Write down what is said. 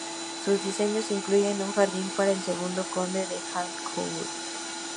Sus diseños incluyen un jardín para el segundo conde de Harcourt.